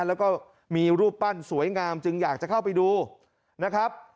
แล้วก็มีรูปปั้นสวยงามจึงอยากจะเข้าไปดูนะครับ